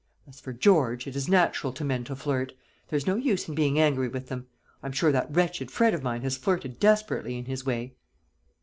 As for George, it is natural to men to flirt; there's no use in being angry with them. I'm sure that wretched Fred of mine has flirted desperately, in his way."